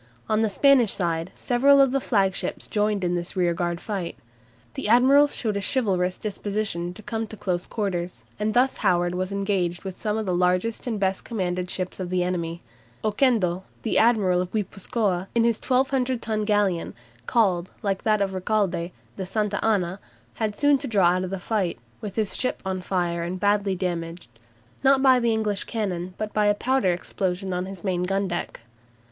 On the Spanish side several of the flagships joined in this rearguard fight. The admirals showed a chivalrous disposition to come to close quarters, and thus Howard was engaged with some of the largest and best commanded ships of the enemy. Oquendo, the admiral of Guipuzcoa, in his 1200 ton galleon, called, like that of Recalde, the "Santa Ana," had soon to draw out of the fight, with his ship on fire and badly damaged, not by the English cannon, but by a powder explosion on his main gundeck.